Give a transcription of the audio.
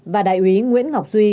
và đại quý nguyễn ngọc duy